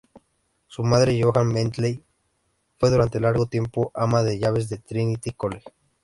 Su madre, Johanna Bentley fue durante largo tiempo ama de llaves del Trinity College.